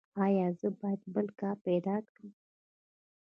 ایا زه باید بل کار پیدا کړم؟